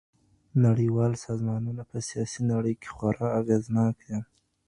نړيوال سازمانونه په سياسي نړۍ کي خورا اغېزناک دي.